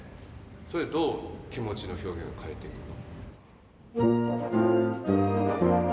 それどう気持ちの表現を変えていくの？